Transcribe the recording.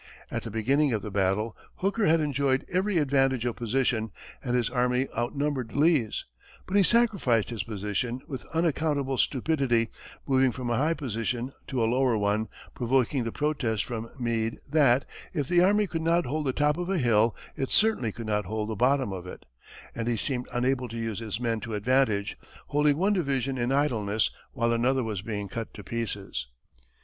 At the beginning of the battle, Hooker had enjoyed every advantage of position, and his army outnumbered Lee's; but he sacrificed his position, with unaccountable stupidity, moving from a high position to a lower one, provoking the protest from Meade that, if the army could not hold the top of a hill, it certainly could not hold the bottom of it; and he seemed unable to use his men to advantage, holding one division in idleness while another was being cut to pieces.